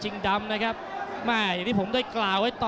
น้ำเงินรอโต